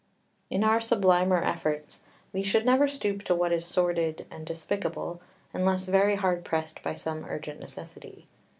5 In our sublimer efforts we should never stoop to what is sordid and despicable, unless very hard pressed by some urgent necessity.